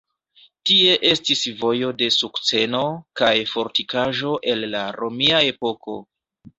Tie estis Vojo de Sukceno kaj fortikaĵo el la romia epoko.